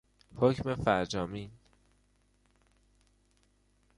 حکم فرجامین